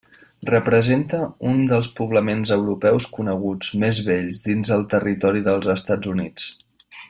Representa un dels poblaments europeus coneguts més vells dins del territori dels Estats Units.